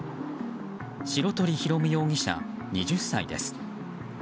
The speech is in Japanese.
白鳥紘夢容疑者、２０歳です。